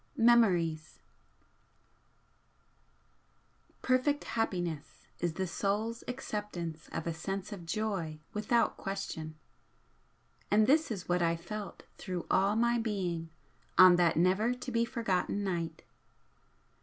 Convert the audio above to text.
VII MEMORIES Perfect happiness is the soul's acceptance of a sense of joy without question. And this is what I felt through all my being on that never to be forgotten night.